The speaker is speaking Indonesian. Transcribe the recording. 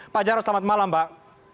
pak jarod selamat malam pak